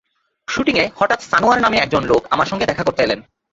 শুটিংয়ে হঠাৎ সানোয়ার নামে একজন লোক আমার সঙ্গে দেখা করতে এলেন।